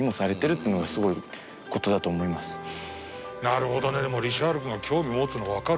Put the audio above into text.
なるほどね。